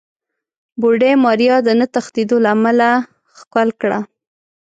بوډۍ ماريا د نه تښتېدو له امله ښکل کړه.